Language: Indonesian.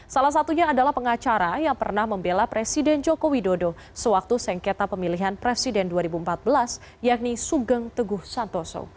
salah satunya adalah pengacara yang pernah membela presiden joko widodo sewaktu sengketa pemilihan presiden dua ribu empat belas yakni sugeng teguh santoso